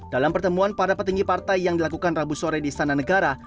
dalam pertemuan para petinggi partai yang dilakukan rabu sore di istana negara